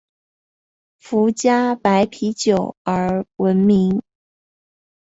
福佳白啤酒而闻名。